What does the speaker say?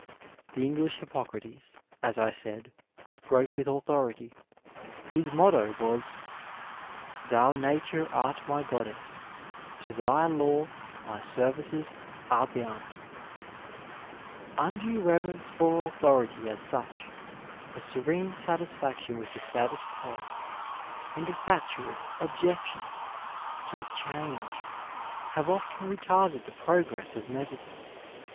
The English Hippocrates, as I said, broke with authority. His motto was Thou Nature art my Qoddooo ; to thy law My aerrioes aie bouuL Undue reverence for authority as such, a serene satisfac tion with the statw quo, and a fatuous objection to change have often retarded the progress of medicine.